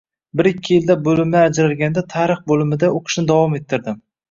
Bir-ikki yilda bo`limlar ajralganda, tarix bo`limida o`qishni davom ettirdim